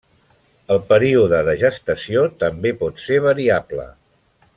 El període de gestació també pot ser variable.